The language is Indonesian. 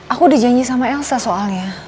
aku udah janji sama elsa soalnya